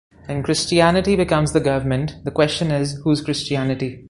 When Christianity becomes the government, the question is whose Christianity?